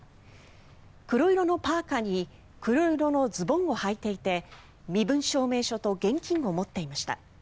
黒色のパーカに黒色のズボンをはいていて身分証明書と現金を持っていました。